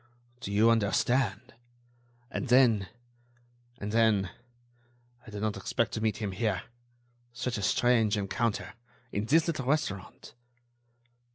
Do you understand? And then ... and then.... I did not expect to meet him here.... Such a strange encounter!... in this little restaurant...."